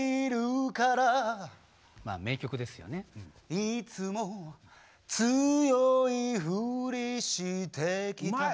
「いつも強いフリして来た」